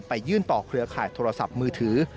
ยื่นต่อเครือข่ายโทรศัพท์มือถือ